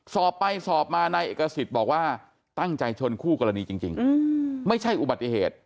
สอบไปสอบมานายเอกสิทธิ์บอกว่าตั้งใจชนคู่กรณีจริงไม่ใช่อุบัติเหตุ